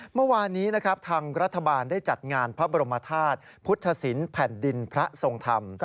เมื่อวานนี้นะครับทางรัฐบาลได้จัดงานพระบรมธาตุพุทธศิลป์แผ่นดินพระทรงธรรม